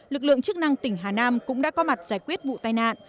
lực lượng chức năng tỉnh hà nam cũng đã có mặt giải quyết vụ tai nạn